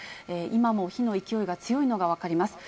今も火の勢いが強いのが分かります。